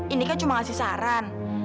indi kan cuma ngasih saran